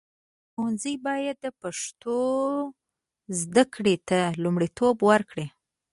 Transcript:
ښوونځي باید د پښتو زده کړې ته لومړیتوب ورکړي.